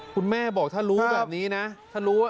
คุณแม่บอกถ้ารู้แบบนี้นะถ้ารู้ว่า